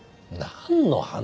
「何の話？」